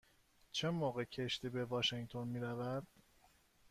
چه موقع کشتی به واشینگتن می رود؟